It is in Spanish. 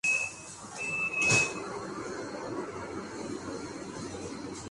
Crece frecuentemente sobre suelos arenosos húmedos, en lechos de arroyos o vasos de pantano.